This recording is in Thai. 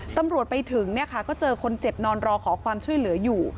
ตำรวจไปถึงก็เจอคนเจ็บนอนรอขอความช่วยเหลืออยู่